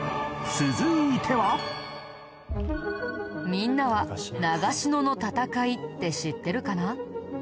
みんなは長篠の戦いって知ってるかな？